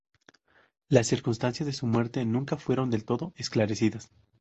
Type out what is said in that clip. Las circunstancias de su muerte nunca fueron del todo esclarecidas.